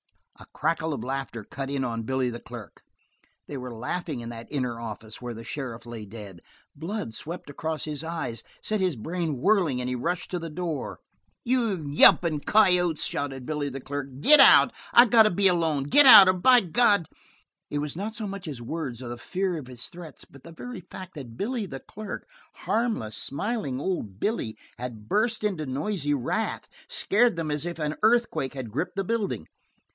A crackle of laughter cut in on Billy the clerk. They were laughing in that inner office, where the sheriff lay dead. Blood swept across his eyes, set his brain whirling, and he rushed to the door. "You yelpin' coyotes!" shouted Billy the clerk. "Get out. I got to be alone! Get out, or by God " It was not so much his words, or the fear of his threats, but the very fact that Billy the clerk, harmless, smiling old Billy, had burst into noisy wrath, scared them as if an earthquake had gripped the building.